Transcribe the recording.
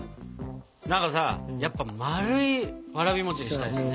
何かさやっぱまるいわらび餅にしたいですね。